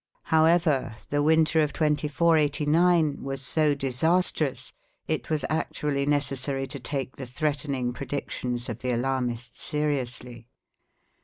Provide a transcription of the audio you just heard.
However, the winter of 2489 was so disastrous, it was actually necessary to take the threatening predictions of the alarmists seriously.